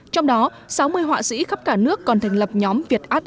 trong đó sáu mươi họa sĩ khắp cả nước còn thành lập nhóm